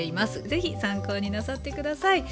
是非参考になさって下さい。